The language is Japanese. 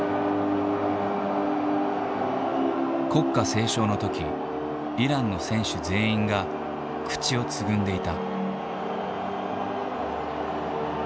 国歌斉唱の時イランの選手全員が口をつぐんでいた。